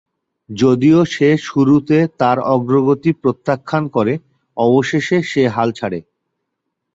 যদিও সে শুরুতে তার অগ্রগতি প্রত্যাখ্যান করে অবশেষে সে হাল ছাড়ে।